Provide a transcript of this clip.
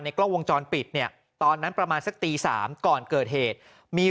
กล้องวงจรปิดเนี่ยตอนนั้นประมาณสักตี๓ก่อนเกิดเหตุมี